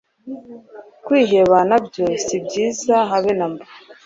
Kwiheba nabyo sibyiza habe namba